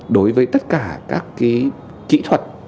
đối với tất cả các cái kỹ thuật